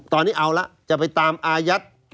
ตอนนี้เอาละจะไปตามอายัด